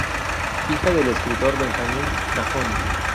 Hija del escritor Benjamín Nahum.